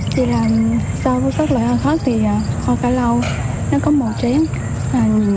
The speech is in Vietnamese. vì là so với các loại hoa khói thì hoa cỏ lâu nó có màu trắng